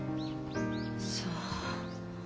そう。